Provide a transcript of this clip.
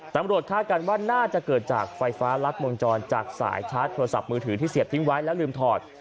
คาดการณ์ว่าน่าจะเกิดจากไฟฟ้ารัดวงจรจากสายชาร์จโทรศัพท์มือถือที่เสียบทิ้งไว้แล้วลืมถอด